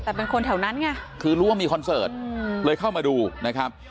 แต่เป็นคนแถวนั้นไงคือรู้ว่ามีคอนเสิร์ตเลยเข้ามาดูนะครับ